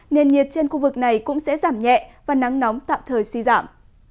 nền nhiệt trên khu vực này cũng sẽ giảm nhẹ và nắng nóng tạm thời suy giảm